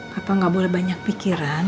papa gak boleh banyak pikiran